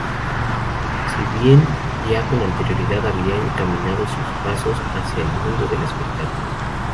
Si bien ya con anterioridad había encaminado sus pasos hacia el mundo del espectáculo.